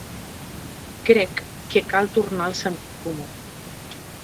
Crec que cal tornar al sentit comú.